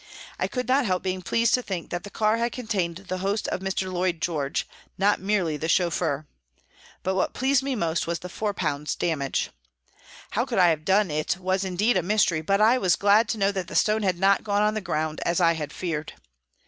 I could not help being pleased to think that the car had contained the host of Mr. Lloyd George, not merely the chauffeur. But what pleased me most was the 4 damage. How 218 PRISONS AND PRISONERS I could have done it was indeed a mystery, but I was glad to know that the stone had not gone on the ground, as I had feared.